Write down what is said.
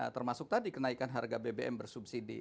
termasuk tadi kenaikan harga bbm bersubsidi